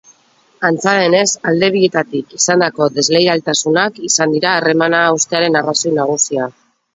Antza denez, alde bietatik izandako desleialtasunak izan dira harremana haustearen arrazoi nagusia.